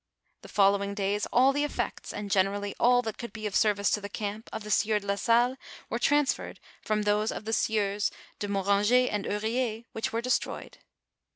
The follow ing days all the effects, and generally all that could be of service to the camp of the sieur de la Salie, were transferred from those of the sieurs de Moranger and Hurler, which were destroyed.